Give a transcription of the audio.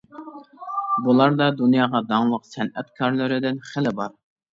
بۇلاردا دۇنياغا داڭلىق سەنئەتكارلىرىدىن خېلى بار.